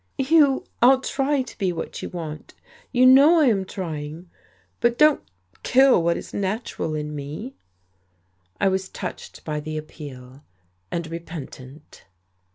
"Hugh, I'll try to be what you want. You know I am trying. But don't kill what is natural in me." I was touched by the appeal, and repentant...